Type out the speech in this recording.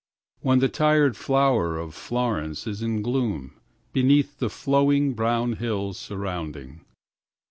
4When the tired flower of Florence is in gloom beneath the glowing5Brown hills surrounding